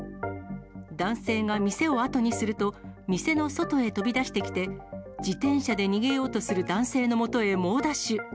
男性が店を後にすると、店の外へ飛び出してきて、自転車で逃げようとする男性のもとへ猛ダッシュ。